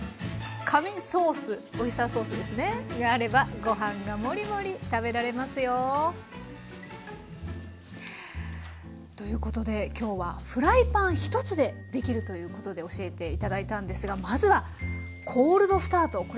神ソースオイスターソースがあればご飯がもりもり食べられますよ。ということで今日はフライパン１つでできるということで教えて頂いたんですがまずはコールドスタート。